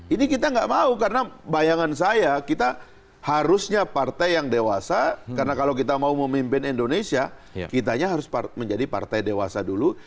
ini kita nggak mau karena bayangan saya kita harusnya partai yang dewasa karena kalau kita mau memimpin indonesia kitanya harus menjadi partai dewasa dulu